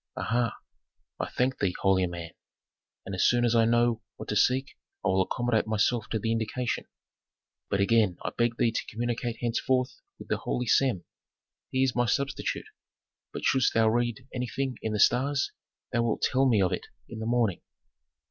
"Aha! I thank thee, holy man. And as soon as I know what to seek I will accommodate myself to the indication. But again I beg thee to communicate henceforth with the holy Sem. He is my substitute, but shouldst thou read anything in the stars thou wilt tell me of it in the morning."